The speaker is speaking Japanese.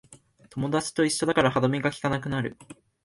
友達と一緒だから歯止めがきかなくなる